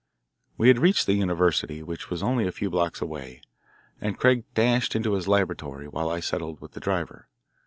We had reached the university, which was only a few blocks away, and Craig dashed into his laboratory while I settled with the driver.